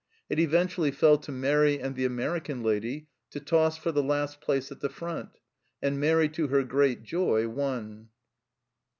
It eventually fell to Mairi and the American lady to toss for the last place at the front, and Mairi, to her great joy, won.